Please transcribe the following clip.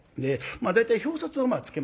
大体表札をつけます。